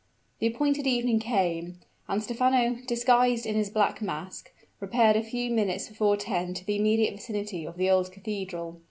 The appointed evening came; and Stephano, disguised in his black mask, repaired a few minutes before ten to the immediate vicinity of the old cathedral.